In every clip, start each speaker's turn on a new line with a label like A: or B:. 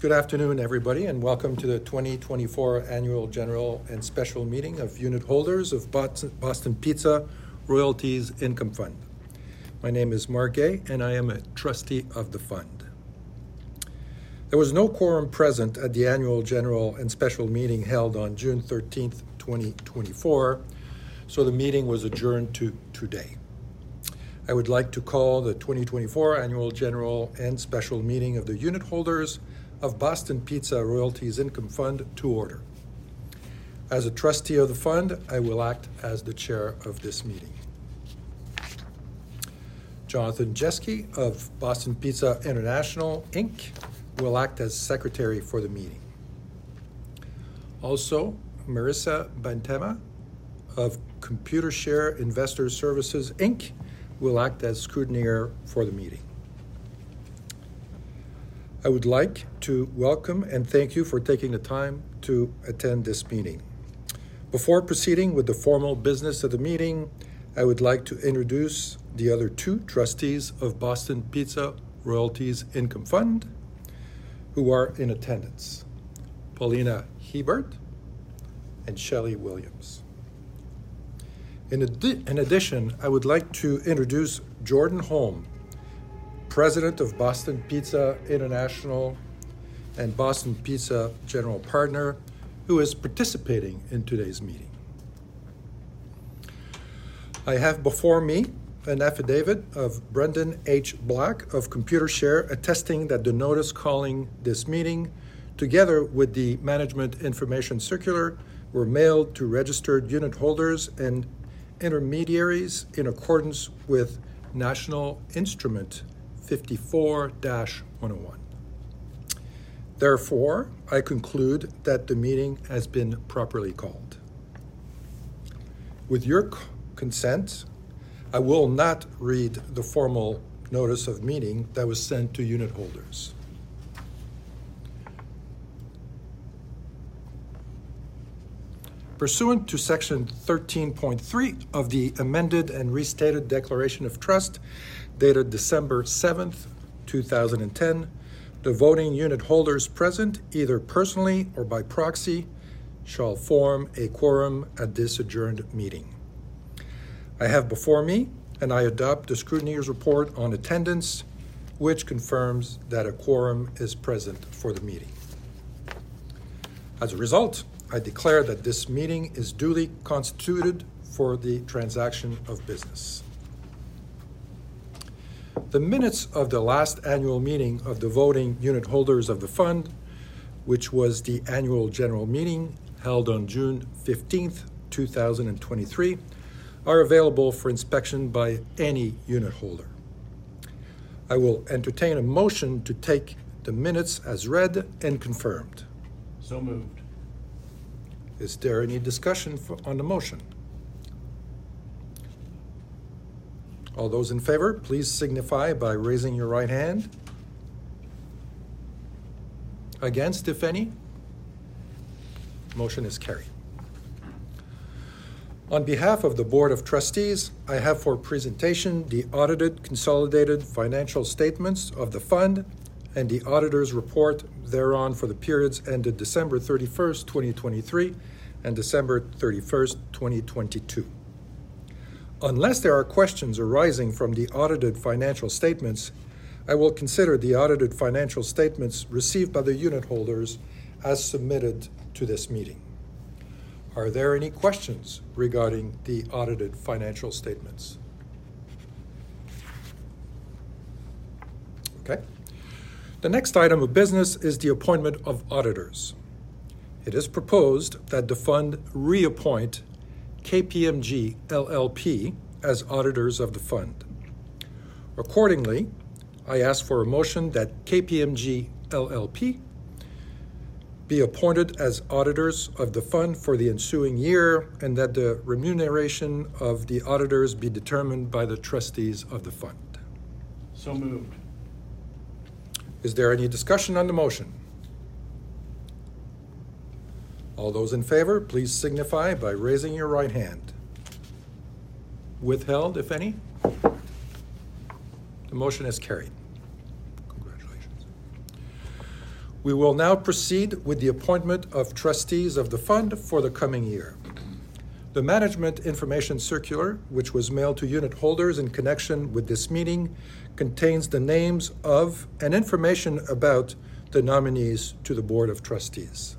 A: Good afternoon, everybody, and welcome to the 2024 Annual General and Special Meeting of Unitholders of Boston Pizza Royalties Income Fund. My name is Marc Guay, and I am a trustee of the Fund. There was no quorum present at the Annual General and Special Meeting held on June 13, 2024, so the meeting was adjourned to today. I would like to call the 2024 Annual General and Special Meeting of the Unitholders of Boston Pizza Royalties Income Fund to order. As a trustee of the Fund, I will act as the chair of this meeting. Jonathan Jeske of Boston Pizza International, Inc will act as secretary for the meeting. Also, Marisa Beintema of Computershare Investor Services, Inc, will act as scrutineer for the meeting. I would like to welcome and thank you for taking the time to attend this meeting. Before proceeding with the formal business of the meeting, I would like to introduce the other two trustees of Boston Pizza Royalties Income Fund, who are in attendance: Paulina Hiebert and Shelley Williams. In addition, I would like to introduce Jordan Holm, President of Boston Pizza International and Boston Pizza General Partner, who is participating in today's meeting. I have before me an affidavit of Brendan H. Black of Computershare, attesting that the notice calling this meeting, together with the Management Information Circular, were mailed to registered unitholders and intermediaries in accordance with National Instrument 54-101. Therefore, I conclude that the meeting has been properly called. With your consent, I will not read the formal notice of meeting that was sent to unitholders. Pursuant to Section 13.3 of the Amended and Restated Declaration of Trust, dated December 7, 2010, the voting unitholders present, either personally or by proxy, shall form a quorum at this adjourned meeting. I have before me, and I adopt the scrutineer's report on attendance, which confirms that a quorum is present for the meeting. As a result, I declare that this meeting is duly constituted for the transaction of business. The minutes of the last annual meeting of the voting unitholders of the Fund, which was the annual general meeting held on June 15, 2023, are available for inspection by any unitholder. I will entertain a motion to take the minutes as read and confirmed.
B: So moved.
A: Is there any discussion on the motion? All those in favor, please signify by raising your right hand. Against, if any? Motion is carried. On behalf of the Board of Trustees, I have for presentation the audited consolidated financial statements of the Fund and the auditors' report thereon for the periods ended December 31, 2023, and December 31, 2022. Unless there are questions arising from the audited financial statements, I will consider the audited financial statements received by the unitholders as submitted to this meeting. Are there any questions regarding the audited financial statements? Okay. The next item of business is the appointment of auditors. It is proposed that the Fund reappoint KPMG LLP as auditors of the Fund. Accordingly, I ask for a motion that KPMG LLP be appointed as auditors of the Fund for the ensuing year and that the remuneration of the auditors be determined by the trustees of the Fund.
B: So moved.
A: Is there any discussion on the motion? All those in favor, please signify by raising your right hand. Withheld, if any? The motion is carried. Congratulations. We will now proceed with the appointment of trustees of the Fund for the coming year. The Management Information Circular, which was mailed to Unitholders in connection with this meeting, contains the names of, and information about, the nominees to the Board of Trustees.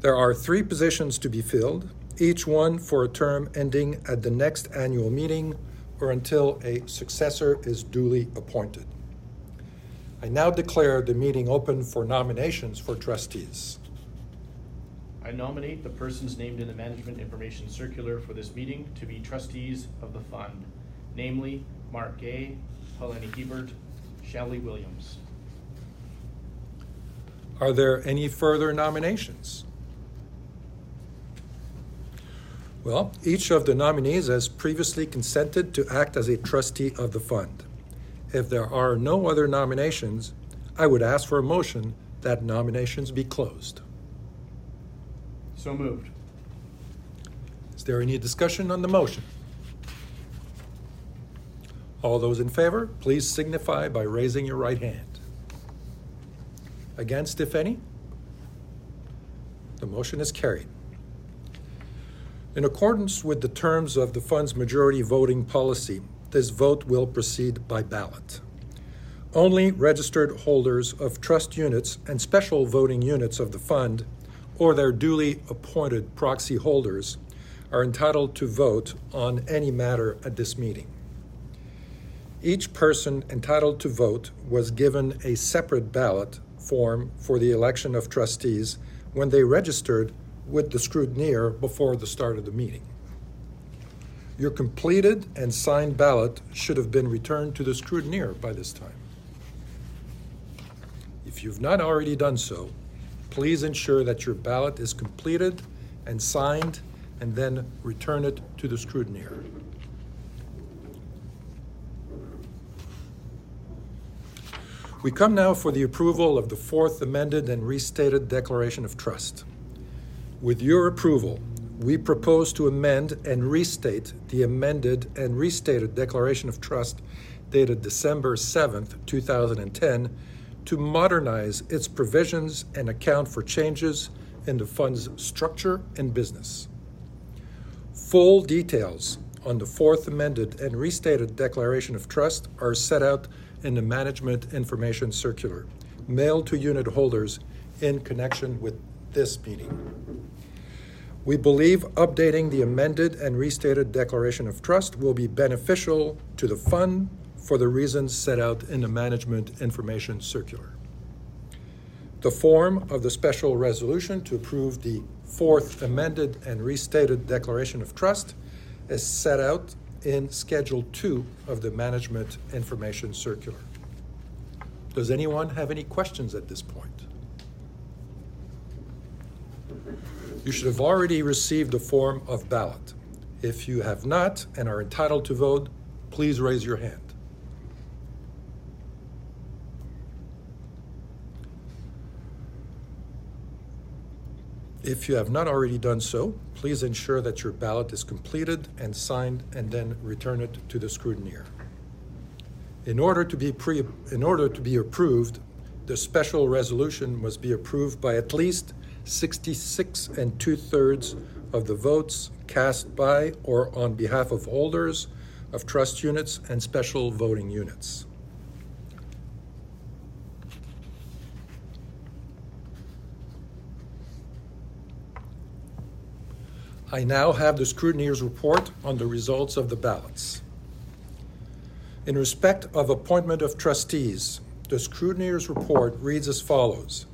A: There are three positions to be filled, each one for a term ending at the next annual meeting or until a successor is duly appointed. I now declare the meeting open for nominations for trustees.
B: I nominate the persons named in the Management Information Circular for this meeting to be trustees of the Fund, namely, Marc Guay, Paulina Hiebert, Shelley Williams.
A: Are there any further nominations? Well, each of the nominees has previously consented to act as a trustee of the Fund. If there are no other nominations, I would ask for a motion that nominations be closed.
B: So moved.
A: Is there any discussion on the motion?... All those in favor, please signify by raising your right hand. Against, if any? The motion is carried. In accordance with the terms of the Fund's majority voting policy, this vote will proceed by ballot. Only registered holders of trust units and special voting units of the Fund, or their duly appointed proxy holders, are entitled to vote on any matter at this meeting. Each person entitled to vote was given a separate ballot form for the election of trustees when they registered with the scrutineer before the start of the meeting. Your completed and signed ballot should have been returned to the scrutineer by this time. If you've not already done so, please ensure that your ballot is completed and signed, and then return it to the scrutineer. We come now for the approval of the Fourth Amended and Restated Declaration of Trust. With your approval, we propose to amend and restate the Amended and Restated Declaration of Trust, dated December 7, 2010, to modernize its provisions and account for changes in the Fund's structure and business. Full details on the Fourth Amended and Restated Declaration of Trust are set out in the Management Information Circular, mailed to unitholders in connection with this meeting. We believe updating the Amended and Restated Declaration of Trust will be beneficial to the Fund for the reasons set out in the Management Information Circular. The form of the special resolution to approve the Fourth Amended and Restated Declaration of Trust is set out in Schedule 2 of the Management Information Circular. Does anyone have any questions at this point? You should have already received a form of ballot. If you have not and are entitled to vote, please raise your hand. If you have not already done so, please ensure that your ballot is completed and signed, and then return it to the scrutineer. In order to be approved, the special resolution must be approved by at least 66 and 2/3 of the votes cast by or on behalf of holders of trust units and special voting units. I now have the scrutineer's report on the results of the ballots. In respect of appointment of trustees, the scrutineer's report reads as follows: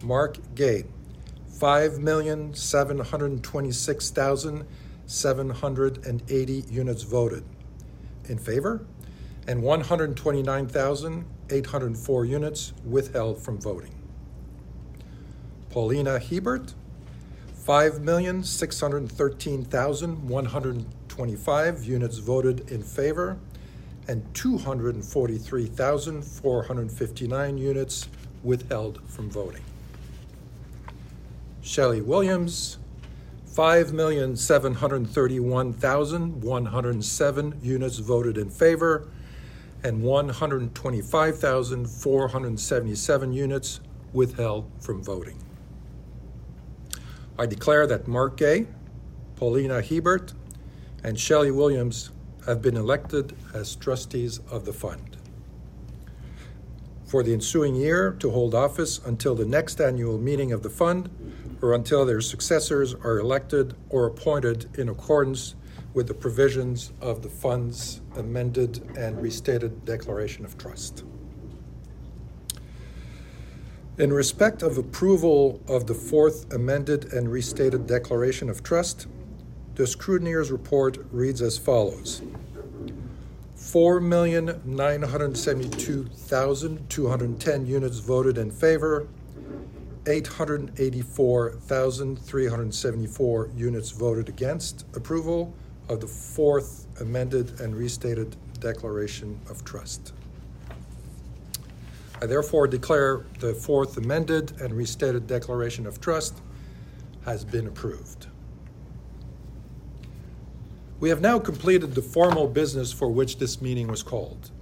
A: Marc Guay, 5,726,780 units voted in favor, and 129,804 units withheld from voting. Paulina Hiebert, 5,613,125 units voted in favor, and 243,459 units withheld from voting. Shelley Williams, 5,731,107 units voted in favor, and 125,477 units withheld from voting. I declare that Marc Guay, Paulina Hiebert, and Shelley Williams have been elected as trustees of the Fund for the ensuing year to hold office until the next annual meeting of the Fund or until their successors are elected or appointed in accordance with the provisions of the Fund's Amended and Restated Declaration of Trust. In respect of approval of the Fourth Amended and Restated Declaration of Trust, the scrutineer's report reads as follows: 4,972,210 units voted in favor, 884,374 units voted against approval of the Fourth Amended and Restated Declaration of Trust. I therefore declare the Fourth Amended and Restated Declaration of Trust has been approved. We have now completed the formal business for which this meeting was called.